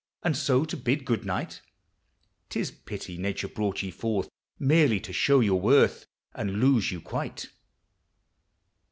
And so to bid good nighl ? 'T is pity Nature brought ye forth, Merely to show your worth, And lose you quite.